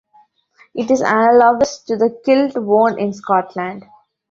It is analogous to the kilt worn in Scotland.